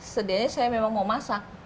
sedianya saya memang mau masak